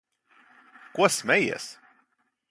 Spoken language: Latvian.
Ko smejies?